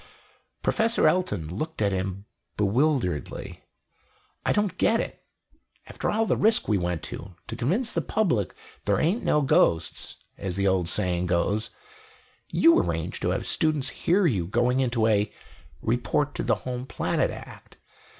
Professor Elton looked at him bewilderedly. "I don't get it. After all the risk we went to, to convince the public that there ain't no ghosts as the old saying goes you arrange to have students hear you going into a 'report to the home planet' act.